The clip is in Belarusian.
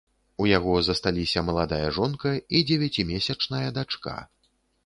У яго засталіся маладая жонка і дзевяцімесячная дачка.